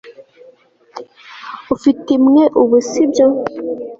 ufite imwe ubu, sibyo